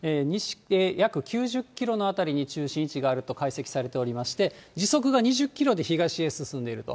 約９０キロの辺りに中心位置があると解析されておりまして、時速が２０キロで東へ進んでいると。